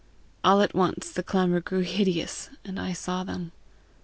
All at once the clamour grew hideous, and I saw them.